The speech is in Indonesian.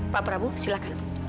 pak prabu silakan